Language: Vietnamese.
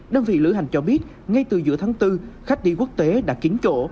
đơn vị lữ hành cho biết ngay từ giữa tháng bốn khách đi quốc tế đã kín chỗ